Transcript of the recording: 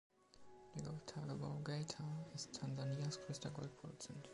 Der Gold-Tagebau Geita ist Tansanias größter Goldproduzent.